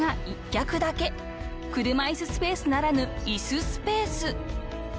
［車いすスペースならぬ椅子スペース］